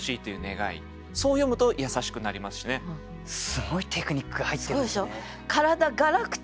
すごいテクニックが入ってるんですね。